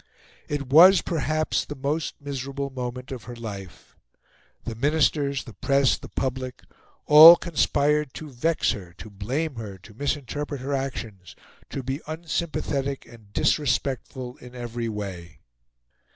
It was perhaps the most miserable moment of her life. The Ministers, the press, the public, all conspired to vex her, to blame her, to misinterpret her actions, to be unsympathetic and disrespectful in every way.